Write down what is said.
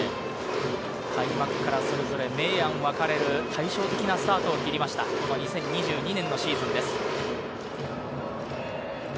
開幕からそれぞれ明暗分かれる対照的なスタートを切りました、２０２２年のシーズンです。